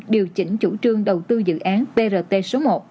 điều chỉnh chủ trương đầu tư dự án brt số một